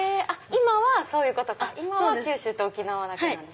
今はそういうことか今は九州と沖縄だけ。